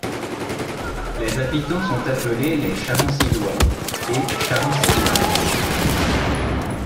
Ses habitants sont appelés les Charancillois et Charancilloises.